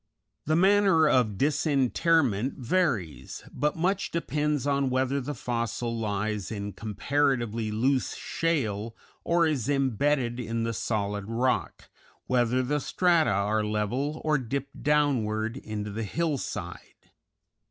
The manner of disinterment varies, but much depends on whether the fossil lies in comparatively loose shale or is imbedded in the solid rock, whether the strata are level or dip downward into the hillside.